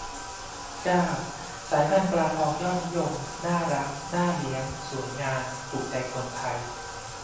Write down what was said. เก้า สายพันธุ์ปลาทองยอดนิยม น่ารัก น่าเลี้ยง สวยงาม ถูกใจคนไทย